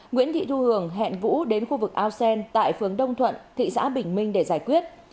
nguyễn thị thu hường hẹn vũ đến khu vực ao sen tại phường đông thuận thị xã bình minh để giải quyết